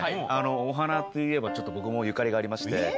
お花といえばちょっと僕もゆかりがありまして。